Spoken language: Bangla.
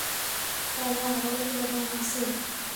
তবে, আরও প্রমাণ আছে।